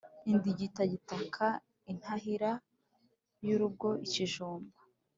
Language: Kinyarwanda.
Indigitagitaka intahira y'urugo-Ikijumba.